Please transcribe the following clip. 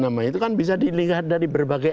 nama itu kan bisa dilihat dari berbagai